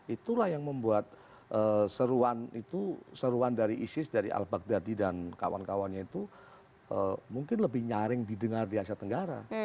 itulah yang membuat seruan itu seruan dari isis dari al baghdadi dan kawan kawannya itu mungkin lebih nyaring didengar di asia tenggara